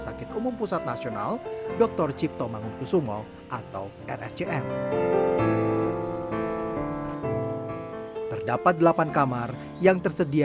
sakit umum pusat nasional dr cipto mangunkusumo atau rscm terdapat delapan kamar yang tersedia